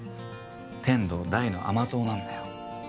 天堂大の甘党なんだよ